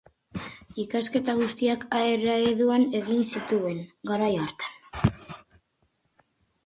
Ikasketa guztiak A ereduan egin zituen, garai hartan.